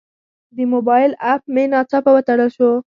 د موبایل اپ مې ناڅاپه وتړل شو.